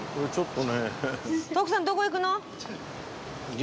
ちょっと。